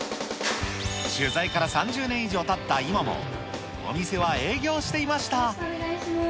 取材から３０年以上たった今よろしくお願いします。